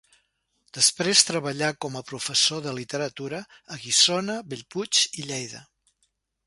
Després treballà com a professor de literatura a Guissona, Bellpuig i Lleida.